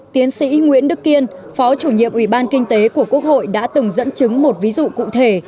tiến sĩ nguyễn đức kiên phó chủ nhiệm ủy ban kinh tế của quốc hội đã từng dẫn chứng một ví dụ cụ thể